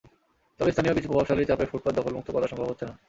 তবে স্থানীয় কিছু প্রভাবশালীর চাপে ফুটপাত দখলমুক্ত করা সম্ভব হচ্ছে না।